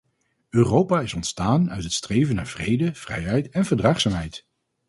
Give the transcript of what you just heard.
Europa is ontstaan uit het streven naar vrede, vrijheid en verdraagzaamheid.